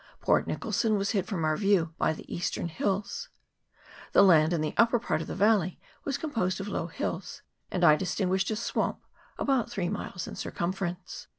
Port Nicholson was hid from our view by the eastern hills. The land in the upper part of the valley was composed of low hills, and I distinguished a swamp about three miles in circumference.